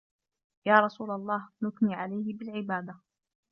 يَا رَسُولَ اللَّهِ نُثْنِي عَلَيْهِ بِالْعِبَادَةِ